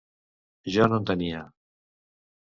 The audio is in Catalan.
Jo no en tenia.